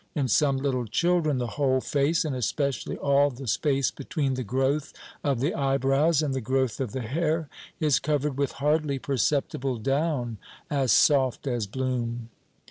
In some little children the whole face, and especially all the space between the growth of the eyebrows and the growth of the hair, is covered with hardly perceptible down as soft as bloom.